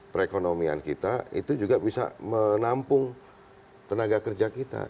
perekonomian kita itu juga bisa menampung tenaga kerja kita